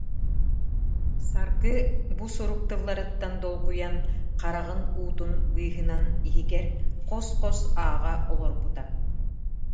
Саргы бу сурук тылларыттан долгуйан, хараҕын уутун быыһынан иһигэр хос-хос ааҕа олорбута